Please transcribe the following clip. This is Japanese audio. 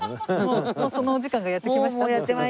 もうそのお時間がやって来ました？